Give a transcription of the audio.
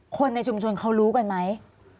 คนในชุมชนเขารู้กันไหม